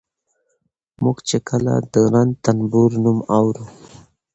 موږ چې کله د رنتنبور نوم اورو